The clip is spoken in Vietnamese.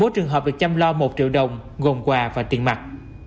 bốn trường hợp được chăm lo một triệu đồng gồm quà và tiền mặt